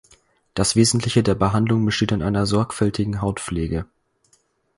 Das Wesentliche der Behandlung besteht in einer sorgfältigen Hautpflege.